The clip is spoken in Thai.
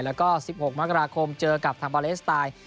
แล้วก็๑๖มกราคมเจอกับทางบาเลสไตล์